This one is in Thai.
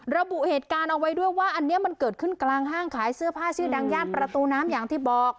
ระบุเหตุการณ์เอาไว้ด้วยว่าอันนี้มันเกิดขึ้นกลางห้างขายเสื้อผ้าชื่อดังย่านประตูน้ำอย่างที่บอก